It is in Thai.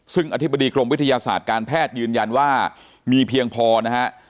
ซึ่งอธิบดีกรมวิทยาศาสตร์การแพทย์ยืนยันว่ามีเพียงพอนะฮะ